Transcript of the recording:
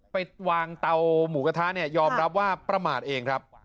ไปวางเตาหมูกระทะเนี่ยยอมรับว่าประมาทเองครับ